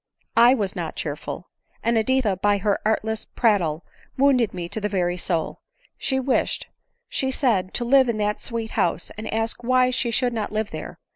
" J was not cheerful, and Editha by her artless prattle wounded me to the very soul. She wished, she said, to live in that sweet house, and asked why she should not live there